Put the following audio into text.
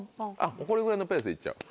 これぐらいのペースでいっちゃう。